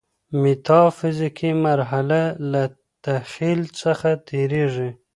ميتا فزيکي مرحله له تخيل څخه تيريږي.